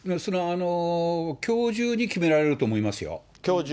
きょう中に決められると思いますよ。